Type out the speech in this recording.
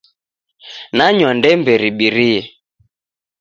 Nanywa ndembe ribirie